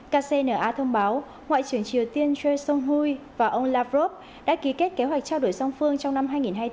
kcna thông báo ngoại trưởng triều tiên jose son hui và ông lavrov đã ký kết kế hoạch trao đổi song phương trong năm hai nghìn hai mươi bốn hai nghìn hai mươi năm